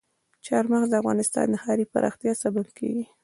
چار مغز د افغانستان د ښاري پراختیا سبب کېږي.